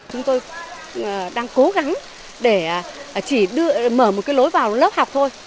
chúng tôi đang cố gắng để chỉ mở một cái lối vào lớp học thôi